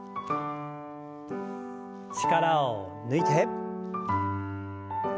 力を抜いて。